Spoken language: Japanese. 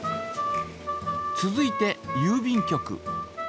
続いてゆう便局。